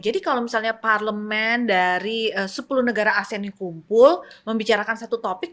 jadi kalau misalnya parlemen dari sepuluh negara asean yang kumpul membicarakan satu topik